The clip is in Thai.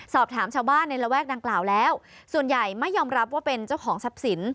สอบถามชาวบ้านในระแวกดังกล่าวแล้วส่วนใหญ่ไม่ยอมรับว่าเป็นเจ้าของทรัพย์สิน